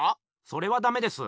それはダメです。